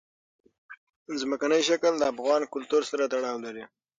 ځمکنی شکل د افغان کلتور سره تړاو لري.